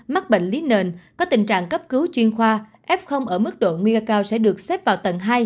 mắc bệnh lý nền có tình trạng cấp cứu chuyên khoa f ở mức độ nguy cơ cao sẽ được xếp vào tầng hai